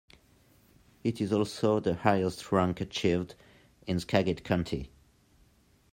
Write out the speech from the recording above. It is also the highest rank achieved in Skagit County.